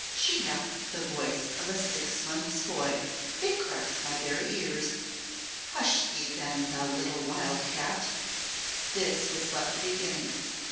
"She hath the voice of a six months boy. It cracks my very ears. Hush thee, then, thou little wild cat." This was but the beginning.